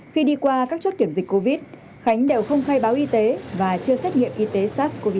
khi đi qua các chốt kiểm dịch covid khánh đều không khai báo y tế và chưa xét nghiệm y tế sars cov hai